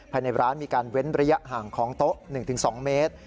ภายในร้านมีการเว้นระยะห่างของโต๊ะ๑๒เมตร